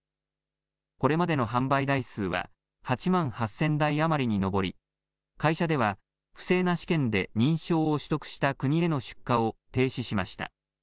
これまでの販売台数は８万８０００台余りに上り会社では不正な試験で認証を取得した国への出荷を停止しました。